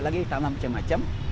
lagi ditambah macam macam